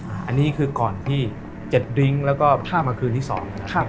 อันนี้ซึ่งกับภาพก่อนที่จะดิ้งพระก็มาคืนที่๒ครับ